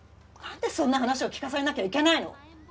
何でそんな話を聞かされなきゃいけないの？